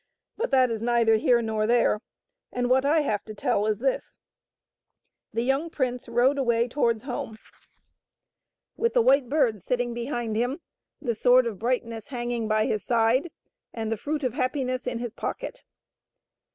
But that is neither here nor there, and what I have to tell is this : The young prince rode away towards home with the White Bird sitting Il8 THE WHITE BIRD. behind him, the Sword of Brightness hanging by his side, and the Fruit of Happiness in his pocket.